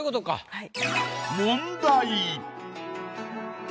はい。